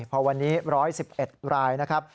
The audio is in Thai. พอวันนี้๑๑๑รายนะครับ